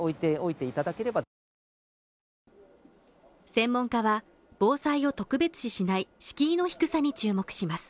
専門家は防災を特別視しない敷居の低さに注目します